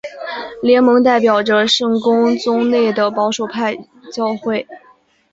联盟代表着圣公宗内的保守派教会。